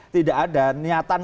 tidak ada niatan